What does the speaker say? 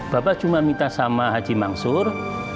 bapak cuma minta sama haji mangsur